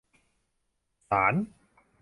ศาล